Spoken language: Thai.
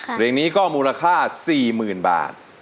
เพลงนี้ก็มูลค่าสี่หมื่นบาท